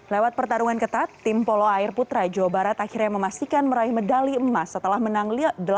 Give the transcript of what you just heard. lewat pertarungan ketat tim polo air putra jawa barat akhirnya memastikan meraih medali emas setelah menang delapan